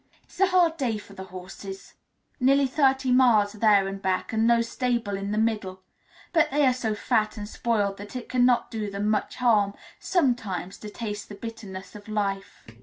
It is a hard day for the horses, nearly thirty miles there and back and no stable in the middle; but they are so fat and spoiled that it cannot do them much harm sometimes to taste the bitterness of life.